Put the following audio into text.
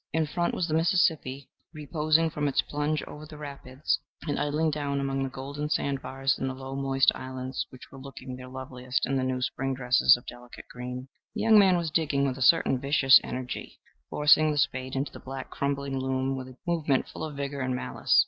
In front was the Mississippi, reposing from its plunge over the rapids, and idling down among the golden sandbars and the low, moist islands, which were looking their loveliest in their new spring dresses of delicate green. The young man was digging with a certain vicious energy, forcing the spade into the black crumbling loam with a movement full of vigor and malice.